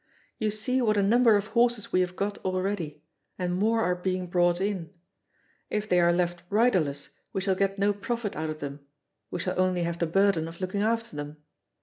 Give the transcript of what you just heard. You see what a number of horses we have got already, and more are being brought in. If they are left riderless we shall get no profit out of them; we shall only have the burden of looking after them.